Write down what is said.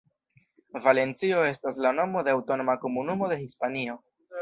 Valencio estas la nomo de aŭtonoma komunumo de Hispanio.